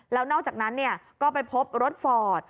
แล้วนอกจากนั้นก็ไปพบรถฟอร์ด